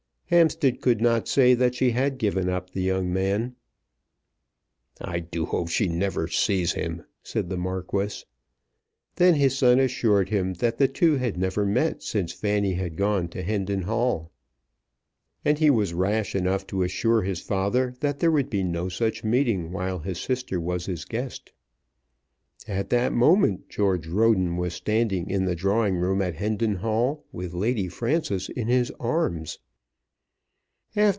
Hampstead could not say that she had given up the young man. "I do hope she never sees him," said the Marquis. Then his son assured him that the two had never met since Fanny had gone to Hendon Hall. And he was rash enough to assure his father that there would be no such meeting while his sister was his guest. At that moment George Roden was standing in the drawing room at Hendon Hall with Lady Frances in his arms.